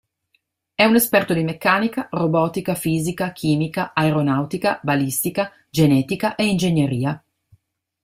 È un esperto di meccanica, robotica, fisica, chimica, aeronautica, balistica, genetica e ingegneria.